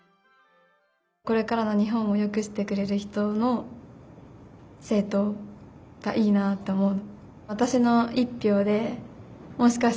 これからの日本をよくしてくれる人の政とうがいいなと思う。